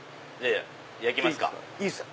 焼きますか？